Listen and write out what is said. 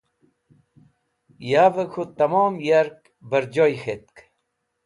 Yavẽ k̃hũ tẽmom yark bẽr joy k̃htk